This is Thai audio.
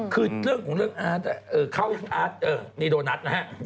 คือเรื่องของเรื่องอาร์ตเข้าอาร์ตนี่โดนัทนะฮะ